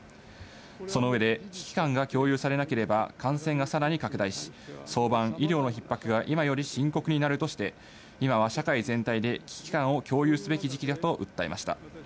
その上で危機感が共有されなければ、感染がさらに拡大し、早晩、医療の逼迫が今より深刻になるとして今は社会全体で危機感を共有すべき時期だと訴えました。